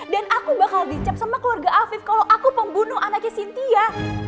dan aku bakal dicap sama keluarga afiq kalau aku pembunuh anaknya sintia